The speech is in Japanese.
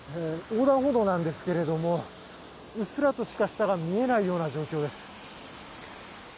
横断歩道ですけどうっすらとしか下が見えない状況です。